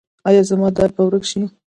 ایا زما درد به ورک شي؟